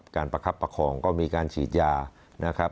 ประคับประคองก็มีการฉีดยานะครับ